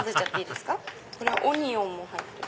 アハハハオニオンも入ってる。